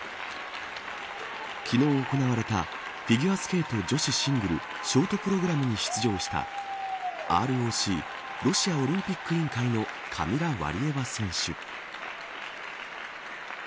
昨日行われたフィギュアスケート女子シングルショートプログラムに出場したＲＯＣロシアオリンピック委員会のカミラ・ワリエワ選手。